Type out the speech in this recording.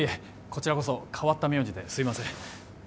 こちらこそ変わった名字ですいません